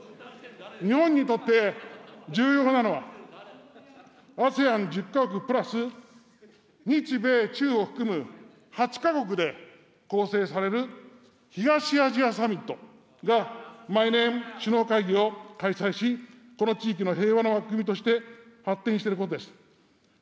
日本にとって重要なのは、ＡＳＥＡＮ１０か国＋日米中を含む８か国で構成される東アジアサミットが、毎年、首脳会議を開催し、この地域の平和の枠組みとして発展していることです。